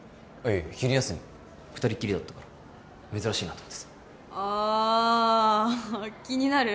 昼休み二人っきりだったから珍しいなと思ってさあ気になる？